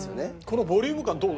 このボリューム感どう？